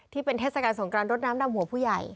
ที่เป็นเทศกรรมสงครานรดน้ำดำหัวผู้ใหญ่